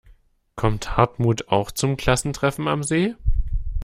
Kommt Hartmut auch zum Klassentreffen am See?